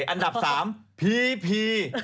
อันดับสามพี